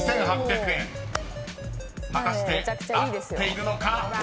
［果たして合っているのか？］